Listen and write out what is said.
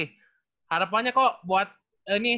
harapannya kok buat ini